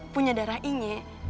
punya darah i nya